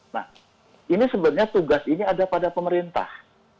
nah ini sebenarnya tugas ini ada pada pemerintah